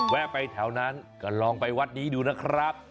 แวะไปแถวนั้นก็ลองไปวัดนี้ดูนะครับ